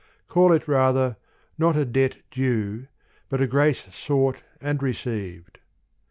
Call it rather, not a debt due, but a grace sought and received.